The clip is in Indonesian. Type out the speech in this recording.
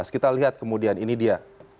kita lihat kemudian ini dia